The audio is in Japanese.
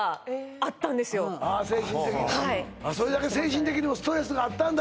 あそうそれだけ精神的にもストレスがあったんだ